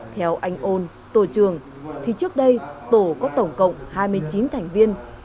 theo anh ôn tổ trường thì trước đây tổ có tổng cộng hai mươi chín thành viên